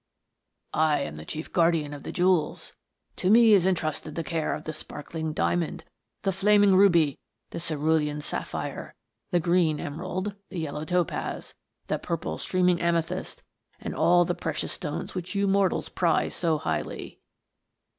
" I am the chief guardian of the jewels. To me is entrusted the care of the sparkling diamond, the flaming ruby, the cerulean sapphire, the green emerald, the yellow topaz, the purple streaming amethyst, and all the precious stones which you mortals prize so highly."